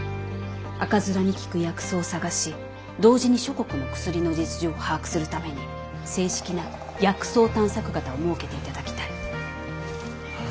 赤面に効く薬草を探し同時に諸国の薬の実情を把握するために正式な薬草探索方を設けて頂きたい。